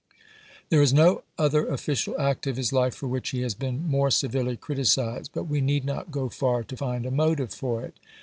There is no other official act of his life for which he has been more severely criticized, but we need not go far to find a motive for it.